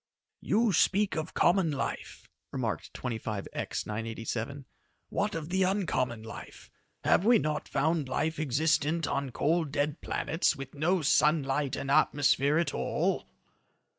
"You speak of common life," remarked 25X 987. "What of the uncommon life? Have we not found life existent on cold, dead planets with no sunlight and atmosphere at all?"